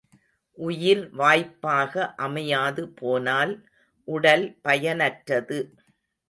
உயிர் வாய்ப்பாக அமையாது போனால் உடல் பயனற்றது.